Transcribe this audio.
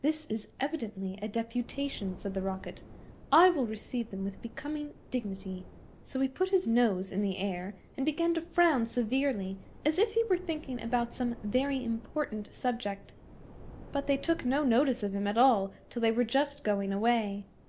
"This is evidently a deputation," said the Rocket; "I will receive them with becoming dignity": so he put his nose in the air, and began to frown severely as if he were thinking about some very important subject. But they took no notice of him at all till they were just going away.